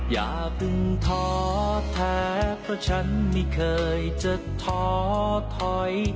อย่าเพิ่งท้อแท้เพราะฉันไม่เคยจะท้อถอย